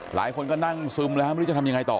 หลายคนก็นั่งซึมแล้วไม่รู้จะทำยังไงต่อ